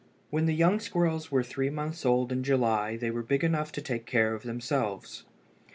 When the young squirrels were three months old in July they were big enough to take care of themselves.